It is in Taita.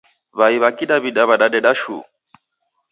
W'ai w'a kidaw'ida w'adadeda shuu.